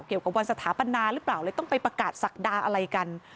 เกี่ยวกับวันสถาปนาหรือเปล่าเลยต้องไปประกาศศักดาอะไรกัน